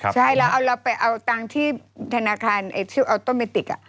ไต้เราตั้งที่ธนาคารชื่ออัลโตไมติก